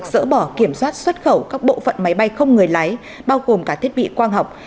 dỡ bỏ kiểm soát xuất khẩu các bộ phận máy bay không người lái bao gồm cả thiết bị quang học